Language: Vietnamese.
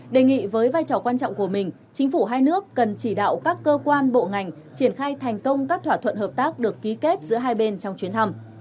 đề nghị với vai trò quan trọng của mình chính phủ hai nước cần chỉ đạo các cơ quan bộ ngành triển khai thành công các thỏa thuận hợp tác được ký kết giữa hai bên trong chuyến thăm